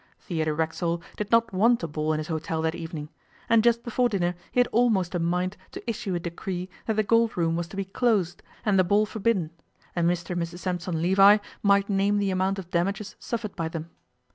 Theodore Racksole did not want a ball in his hotel that evening, and just before dinner he had almost a mind to issue a decree that the Gold Room was to be closed and the ball forbidden, and Mr and Mrs Sampson Levi might name the amount of damages suffered by them.